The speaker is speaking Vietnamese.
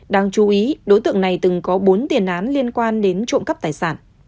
đáng chú ý đối tượng này từng có bốn tiền án liên quan đến trộm cắp tài sản